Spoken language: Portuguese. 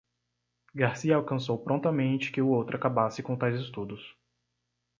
Garcia alcançou prontamente que o outro acabasse com tais estudos.